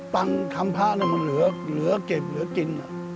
ตังค์คำพระมันเหลือเก็บเหลือกิน